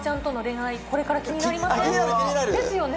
これから気になりません？ですよね。